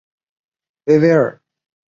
维维尔。